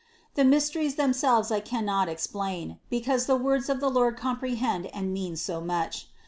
The mysteries themselves I cannot explain, because the words of the Lord compre hend and mean so much.